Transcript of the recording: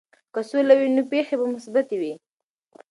که سوله وي، نو پېښې به مثبتې وي.